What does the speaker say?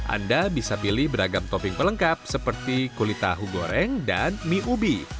anda bisa pilih beragam topping pelengkap seperti kulit tahu goreng dan mie ubi